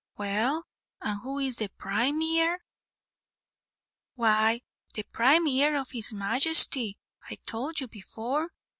"Well, and who is the Prime Ear?" "Why, the Prime Ear of his Majesty, I towld you before.